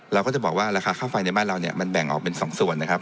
เราก็จะบอกว่าราคาค่าไฟในบ้านเราเนี่ยมันแบ่งออกเป็น๒ส่วนนะครับ